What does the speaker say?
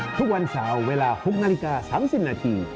ทุกวันเสาร์เวลา๖นาฬิกา๓๐นาที